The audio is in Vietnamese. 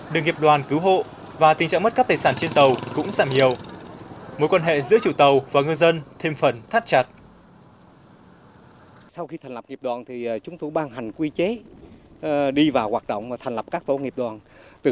được nghiệp đoàn cứu hộ và tình trạng mất các tài sản trên tàu cũng giảm nhiều